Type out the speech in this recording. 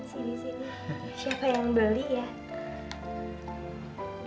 siapa yang beli ya